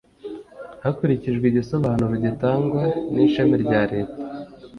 Hakurikijwe igisobanuro gitangwa n Ishami rya leta